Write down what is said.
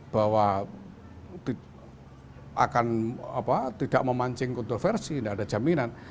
bahwa akan tidak memancing kontroversi tidak ada jaminan